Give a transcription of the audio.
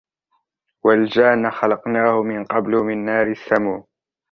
وَالْجَانَّ خَلَقْنَاهُ مِنْ قَبْلُ مِنْ نَارِ السَّمُومِ